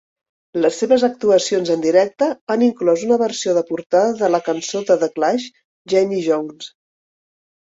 Les seves actuacions en directe han inclòs una versió de portada de la cançó de The Clash, "Janie Jones".